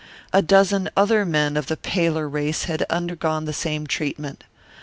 A dozen other men of the paler race had undergone the same treatment.